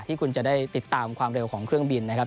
ที่คุณจะได้ติดตามความเร็วของเครื่องบินนะครับ